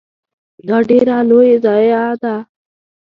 دا ډیره لوی ضایعه ده .